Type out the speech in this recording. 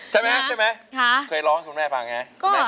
ใช่ไหมเคยร้องให้คุณแม่ฟังไง